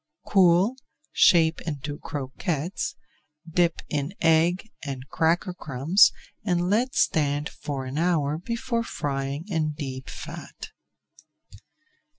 Cool, shape into croquettes, dip in egg and cracker crumbs and let stand for an hour before frying in deep fat.